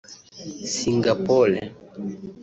Singapore